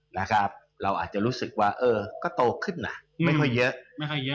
แล้วครับเราอาจจะรู้สึกว่าเออก็โตขึ้นนะไม่ค่อยเยอะ